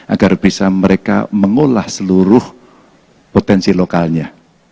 agar bisa mereka mengolah seluruh potensi lokalnya